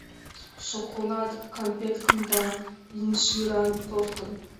— Шоколад кампеткым да инжиран тортым!